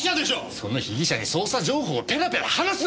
その被疑者に捜査情報をペラペラ話すな。